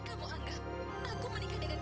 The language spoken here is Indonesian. kamu bisa memperlakukan aku